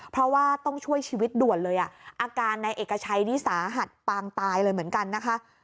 เพราะว่าต้องช่วยชีวิตด่วนเลยอ่ะอาการในเอกชัยนี่สาหัสปางตายเลยเหมือนกันนะคะ